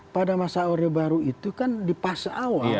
pada masa order baru itu kan di pas awal